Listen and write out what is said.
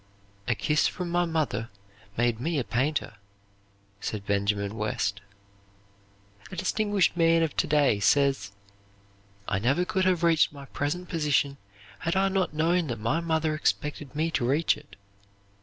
"A kiss from my mother made me a painter," said Benjamin West. A distinguished man of to day says: "I never could have reached my present position had I not known that my mother expected me to reach it.